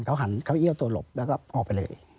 เขาเอียวตัวหลบเหลือแล้วแอบออกไปเลย